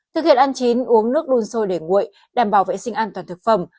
thực hiện ăn chín uống nước đun sôi để nguội đảm bảo vệ sinh an toàn thực phẩm